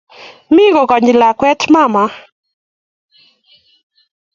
Mi koganyi lakwet mama